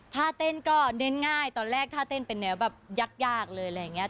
ถ้าเต้นก็เน้นง่ายตอนแรกถ้าเต้นเป็นแนวแบบยากเลยอะไรอย่างนี้